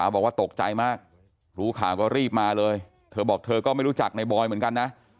บอกว่าตกใจมากรู้ข่าวก็รีบมาเลยเธอบอกเธอก็ไม่รู้จักในบอยเหมือนกันนะ